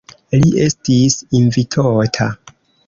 Li estis invitota.